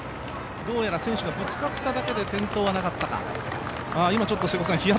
どうやら選手がぶつかっただけで、転倒はなかったか。